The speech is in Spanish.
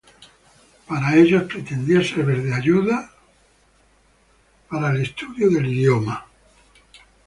Para ellos, pretendía servir de ayuda a los misioneros para el estudio del idioma.